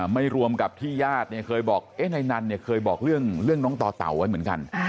ไม่รวมกับที่ญาติเนี่ยเคยบอกนายนันเนี่ยเคยบอกเรื่องน้องต่อเต่าไว้เหมือนกัน